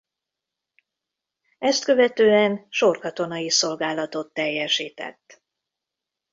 Ezt követően sorkatonai szolgálatot teljesített.